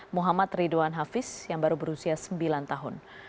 muhammad ridwan hafiz yang baru berusia sembilan tahun